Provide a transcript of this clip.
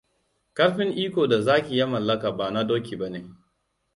Karfin iko da zaki ya mallaka ba na doki bane.